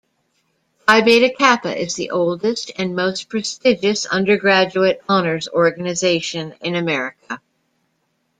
Phi Beta Kappa is the oldest and most prestigious undergraduate honors organization in America.